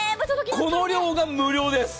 この量が無料です。